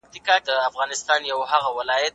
مهارت پیدا کړئ.